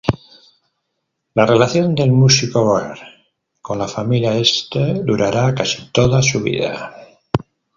La relación del músico Wert con la familia Este durará casi toda su vida.